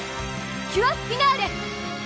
キュアフィナーレ！